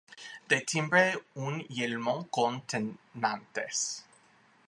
De timbre un yelmo con tenantes.